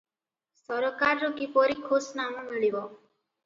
ସରକାରରୁ କିପରି ଖୁସ୍-ନାମ ମିଳିବ